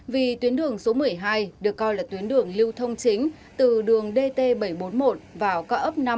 vì tuyến đường số một mươi hai được coi là tuyến đường lưu thông chính từ đường dt bảy trăm bốn mươi một vào ca ấp năm